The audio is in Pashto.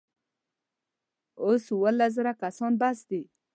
اوس اوولس زره کسان بس دي.